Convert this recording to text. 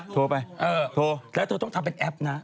โทรไปเออโทรแล้วเธอต้องทำเป็นแอปนะ